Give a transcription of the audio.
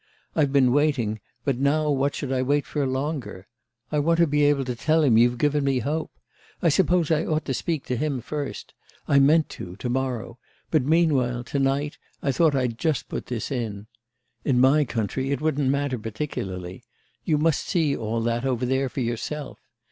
I've been waiting, but now what should I wait for longer? I want to be able to tell him you've given me hope. I suppose I ought to speak to him first. I meant to, to morrow, but meanwhile, to night, I thought I'd just put this in. In my country it wouldn't matter particularly. You must see all that over there for yourself.